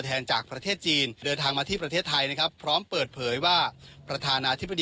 หรือคนพบมาจากเหตุประสบคลายนี้ให้ดีที่สุด